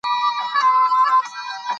ته په لوىديځ کې فيمينزم وايي.